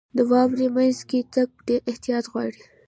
• د واورې مینځ کې تګ ډېر احتیاط غواړي.